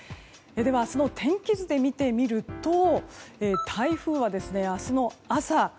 明日の天気図で見ていくと台風は明日の朝